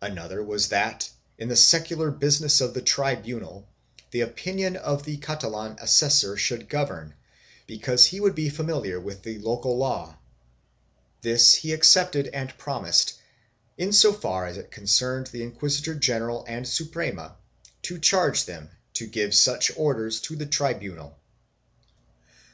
Another was that, in the secular business of the tribunal, the opinion of the Catalan assessor should govern, because he would be familiar with the local law; this he accepted and promised, in so far as it concerned the inquisitor general and Suprema, to charge them to give such orders to the tribunal.